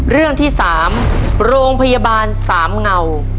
เรื่องที่๓โรงพยาบาลสามเงา